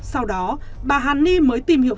sau đó bà hằng hiếu mới tìm hiểu